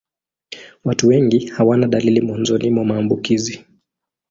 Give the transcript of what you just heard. Watu wengi hawana dalili mwanzoni mwa maambukizi.